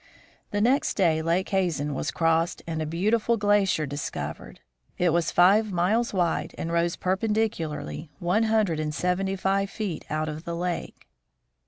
The next day Lake Hazen was crossed and a beautiful glacier discovered. It was five miles wide, and rose per pendicularly one hundred and seventy five feet out of the lake.